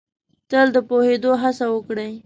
تل د پوهېدو هڅه وکړ ئ